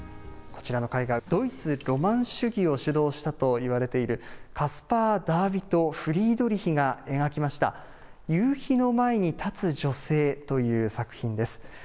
こちらの絵画、ドイツロマン主義を主導したといわれている、カスパー・ダーヴィト・フリードリヒが描きました、夕日の前に立つ女性という作品です。